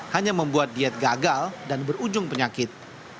hanya membuat diet gagal dan berujung penyakit